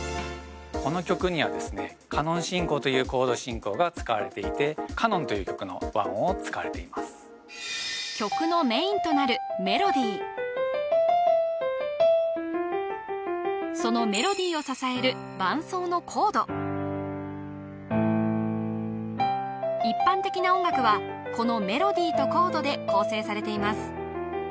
この曲にはですねカノン進行というコード進行が使われていて「カノン」という曲の和音を使われています曲のメインとなるメロディその一般的な音楽はこのメロディとコードで構成されています